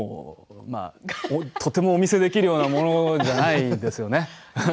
とてもお見せできるようなものじゃないですよね。